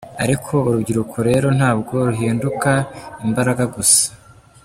Ariko urubyiruko rero ntabwo ruhinduka imbaraga gusa.